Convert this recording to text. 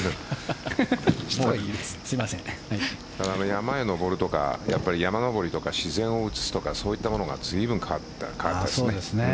山へ登るとか、山登りとか自然を映すとかそういったものが随分、変わった感じですね。